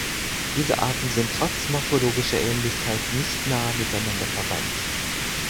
Diese Arten sind trotz morphologischer Ähnlichkeit nicht nahe miteinander verwandt.